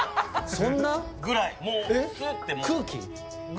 そんな？ぐらい、空気？